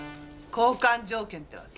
交換条件ってわけ？